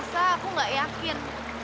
aku ngerasa aku nggak yakin